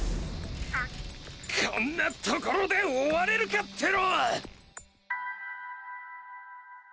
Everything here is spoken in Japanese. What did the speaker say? こんなところで終われるかっての